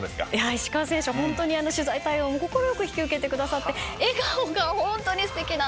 石川選手はホントに取材対応も快く引き受けてくださって笑顔がホントにすてきなんですよ。